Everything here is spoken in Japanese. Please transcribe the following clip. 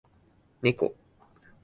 ねこ